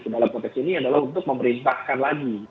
dalam konteks ini adalah untuk memerintahkan lagi